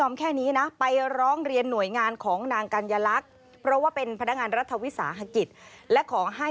ไม่ยอมแค่นี้นะ